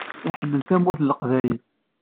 Iḥemmel Tamurt n Leqbayel.